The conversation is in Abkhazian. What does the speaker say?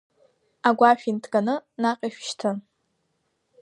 Агәашә инҭганы, наҟ ишәышьҭы!